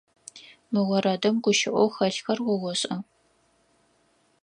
Мы орэдым гущыӏэу хэлъхэр о ошӏа?